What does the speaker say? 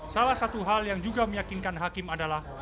salah satu hal yang juga meyakinkan hakim adalah